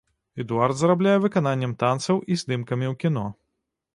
Эдуард зарабляе выкананнем танцаў і здымкамі ў кіно.